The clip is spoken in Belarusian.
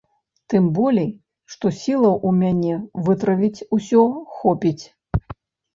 Тым болей, што сілаў у мяне вытрываць усё хопіць.